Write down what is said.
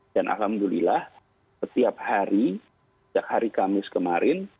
dan alhamdulillah setiap hari setiap hari kamis kemarin